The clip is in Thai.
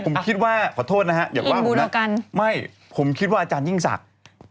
ไม่ผมคิดว่าอาจารย์ยิ่งศักดิ์